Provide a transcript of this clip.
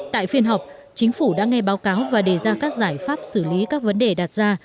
tại phiên họp chính phủ đã nghe báo cáo và đề ra các giải pháp xử lý các vấn đề đạt ra